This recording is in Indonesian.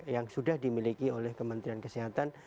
yang sudah dimiliki oleh kementerian kesehatan